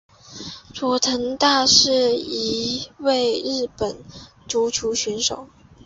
佐藤大是一位日本足球选手。